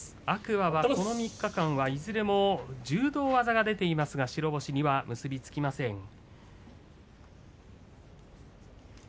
天空海はこの３日間はいずれも柔道技が出ていますが白星には結び付いていません。